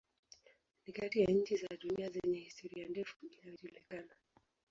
Ni kati ya nchi za dunia zenye historia ndefu inayojulikana.